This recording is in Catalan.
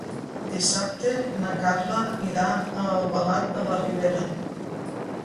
Dissabte na Carla irà a Albalat de la Ribera.